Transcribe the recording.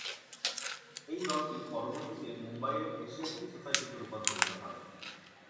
এই দলটি পরবর্তীতে মুম্বাইয়ের এশিয়াটিক সোসাইটিতে রূপান্তরিত হয়।